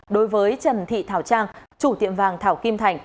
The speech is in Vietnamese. đối với trần thị thảo trang chủ tiệm vàng thảo kim thành